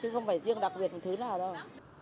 chứ không phải riêng đặc biệt một thứ nào đâu